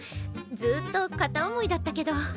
ずっと片思いだったけど。